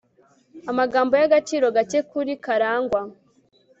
amagambo y agaciro gake kuri karangwa